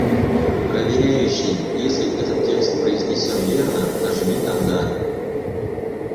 Проверяющий, если этот текст произнесён верно, нажми на "Да".